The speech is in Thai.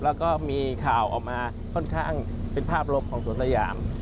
แล้วก็มีข่าวออกมาค่อนข้างเป็นภาพลบของสวนสยาม